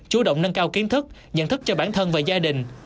chú động nâng cao kiến thức nhận thức cho bản thân và gia đình